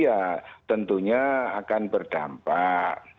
ya tentunya akan berdampak